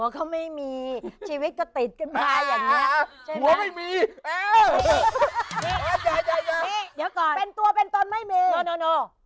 ไห้ไหมจริง